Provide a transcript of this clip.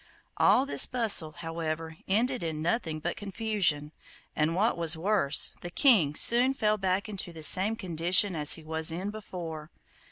All this bustle, however, ended in nothing but confusion, and, what was worse, the King soon fell back into the same condition as he was in before.